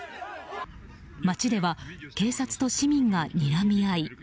街では警察と市民がにらみ合い。